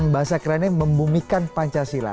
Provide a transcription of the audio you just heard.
bahasa kerennya membumikan pancasila